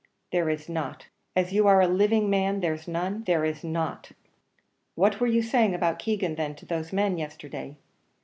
"There is not." "As you are a living man, there's none?" "There is not." "What were you saying about Keegan, then, to those men yesterday?"